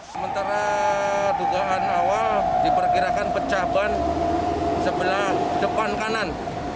sementara dugaan awal diperkirakan pecah ban sebelah depan kanan